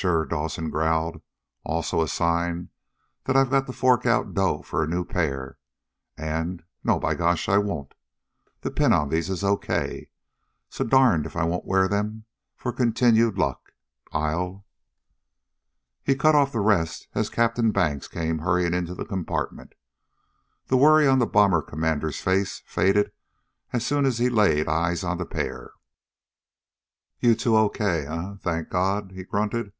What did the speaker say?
"Sure!" Dawson growled. "Also a sign that I've got to fork out dough for a new pair, and No, by gosh, I won't! The pin on these is okay. So darned if I won't wear them for continued luck. I'll " He cut off the rest as Captain Banks came hurrying into the compartment. The worry on the bomber commander's face faded away as soon as he laid eyes on the pair. "You two okay, eh, thank God!" he grunted.